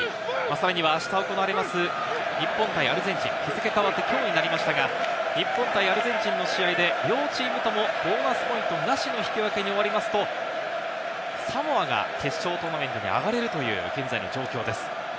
さらには、あした行われます日本対アルゼンチン、日付変わって、きょうになりましたが、日本対アルゼンチンの試合で両チームともボーナスポイントなしの引き分けに終わりますと、サモアが決勝トーナメントに上がれるという現在の状況です。